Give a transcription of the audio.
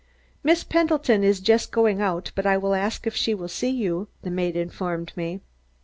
"Miss Pendleton is just going out, but I will ask if she will see you," the maid informed me.